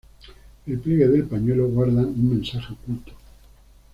El pliegue del pañuelo guarda un mensaje oculto.